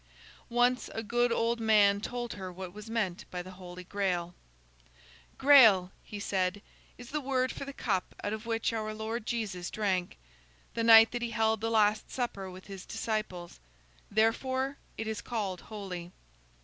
Once a good old man told her what was meant by the Holy Grail. "Grail," he said, "is the word for the cup out of which our Lord Jesus drank, the night that he held the last supper with his disciples. Therefore, it is called holy.